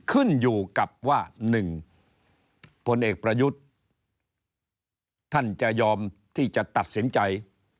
ขึ้นอยู่กับว่า๑พลเอกประยุทธ์ท่านจะยอมที่จะตัดสินใจ